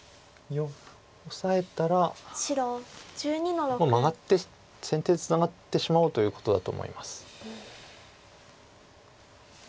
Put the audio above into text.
オサえたらもうマガって先手でツナがってしまおうということだと思います。